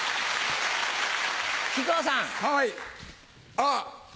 あっ！